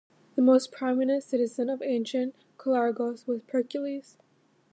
The most prominent citizen of ancient Cholargos was Pericles.